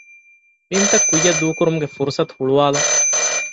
ބިންތައް ކުއްޔަށް ދޫކުރުމުގެ ފުރުޞަތު ހުޅުވާލުން